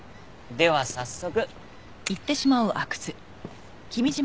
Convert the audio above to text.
では早速。